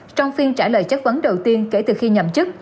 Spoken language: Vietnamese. trong phiên trả lời chất vấn đầu tiên kể từ khi nhậm chức